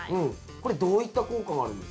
これどういった効果があるんですか？